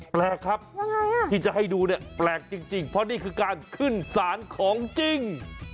แปลกครับที่จะให้ดูเนี่ยแปลกจริงเพราะนี่คือการขึ้นศาลของจริง